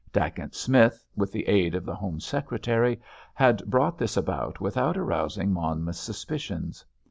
Dacent Smith, with the aid of the Home Secretary, had brought this about without arousing Monmouth's suspicions.